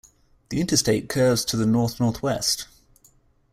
The interstate curves to the north-northwest.